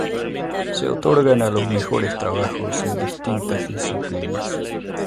Se otorgan a los mejores trabajos en distintas disciplinas.